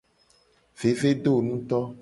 Vevedonuto.